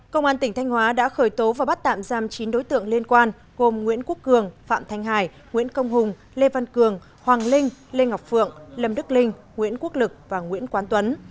công an tỉnh thanh hóa đã khởi tố và bắt tạm giam chín đối tượng liên quan gồm nguyễn quốc cường phạm thanh hải nguyễn công hùng lê văn cường hoàng linh lê ngọc phượng lâm đức linh nguyễn quốc lực và nguyễn quán tuấn